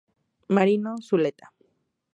Marino Zuleta.